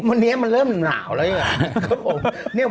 วันนี้มันเริ่มหนาวแล้วนะครับผม